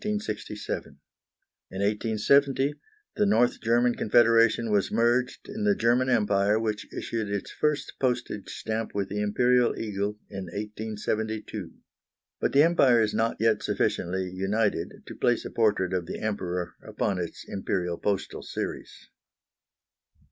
In 1870 the North German Confederation was merged in the German Empire, which issued its first postage stamp with the Imperial eagle in 1872. But the Empire is not yet sufficiently united to place a portrait of the Emperor upon its Imperial postal series.